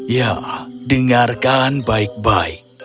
ya dengarkan baik baik